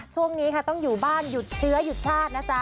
ช่วงนี้ค่ะต้องอยู่บ้านหยุดเชื้อหยุดชาตินะจ๊ะ